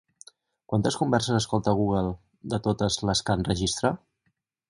Quantes converses escolta Google de totes les que enregistra?